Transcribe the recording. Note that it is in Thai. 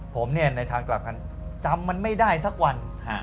ผมเนี่ยในทางกลับกันจำมันไม่ได้สักวัน